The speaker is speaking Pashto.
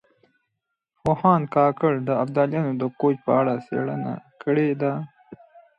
پوهاند کاکړ د ابدالیانو د کوچ په اړه څېړنه کړې ده.